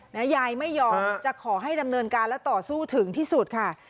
ยายไม่ยอมจะขอให้ดำเนินการและต่อสู้ถึงที่สุดค่ะ